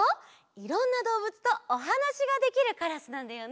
いろんなどうぶつとおはなしができるカラスなんだよね。